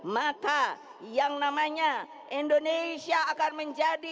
maka yang namanya indonesia akan menjadi